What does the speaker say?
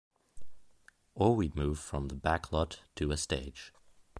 Or we'd move from the back lot to a stage.